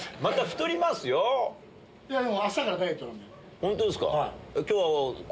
本当ですか？